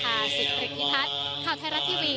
ข่าวไทยรัฐทีวี